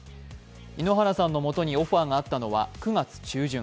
井ノ原さんの元にオファーがあったのは９月中旬。